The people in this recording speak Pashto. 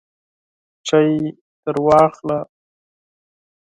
چای درواخله !